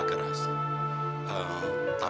terima kasih sudah melaksanakan